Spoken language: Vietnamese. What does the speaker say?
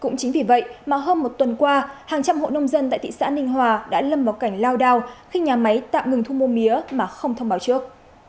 cũng chính vì vậy mà hơn một tuần qua hàng trăm hộ nông dân tại thị xã ninh hòa đã lâm vào cảnh lao đao khi nhà máy tạm ngừng thu mua mía mà không thông báo trước